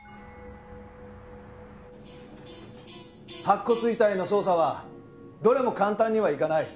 白骨遺体の捜査はどれも簡単にはいかない。